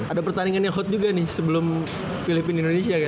ada pertandingan yang hot juga nih sebelum filipina indonesia